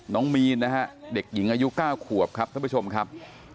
น้องมีนนะฮะเด็กหญิงอายุ๙ขวบครับท่านผู้ชมครับ